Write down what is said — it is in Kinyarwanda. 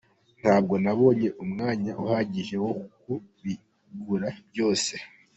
Ntabwo nabonye umwanya uhagije wo kubigura byose.